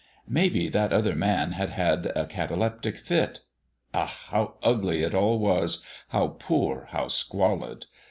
Maybe that other man had had a cataleptic fit. Ach! how ugly it all was how poor, how squalid.